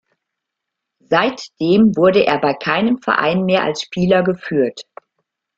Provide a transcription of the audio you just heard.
Seitdem wurde er bei keinem Verein mehr als Spieler geführt.